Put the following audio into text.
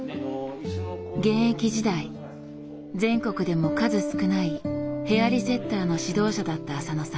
現役時代全国でも数少ないヘアリセッターの指導者だった浅野さん。